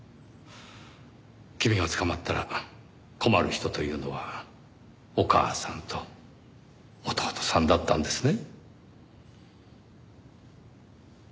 君が捕まったら困る人というのはお母さんと弟さんだったんですね。